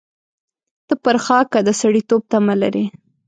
ته پر خاکه د سړېتوب تمه لرې.